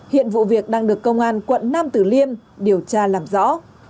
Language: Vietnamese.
hiện vụ việc đang được công an quận nam tử liêm điều tra làm rõ